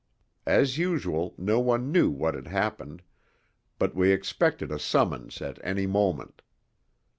As usual, no one knew what had happened, but we expected a summons at any moment.